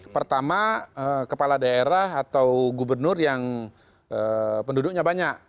pertama kepala daerah atau gubernur yang penduduknya banyak